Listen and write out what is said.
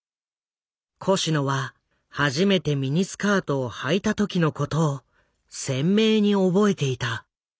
コシノは初めてミニスカートをはいた時のことを鮮明に覚えていた。